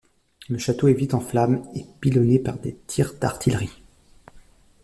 Le château est vite en flammes et pilonné par des tirs d'artillerie.